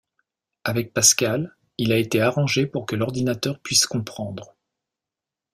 Avec Pascal, il a été arrangé pour que l'ordinateur puisse comprendre.